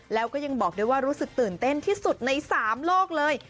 แล้วก็ยังบอกด้วยว่ารู้สึกตื่นเต้นที่สุดใน๓โลกเลย